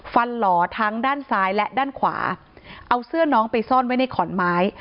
หล่อทั้งด้านซ้ายและด้านขวาเอาเสื้อน้องไปซ่อนไว้ในขอนไม้